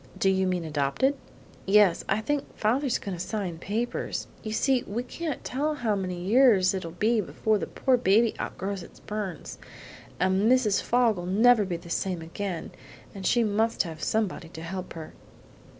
"Do you mean adopted?" "Yes; I think father's going to sign papers. You see we can't tell how many years it'll be before the poor baby outgrows its burns, and Mrs. Fogg'll never be the same again, and she must have somebody to help her."